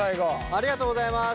ありがとうございます。